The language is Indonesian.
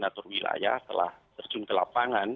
atur wilayah telah terjun ke lapangan